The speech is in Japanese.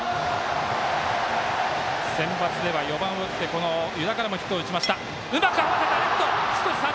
センバツでは４番を打って湯田からもヒットを打ちました。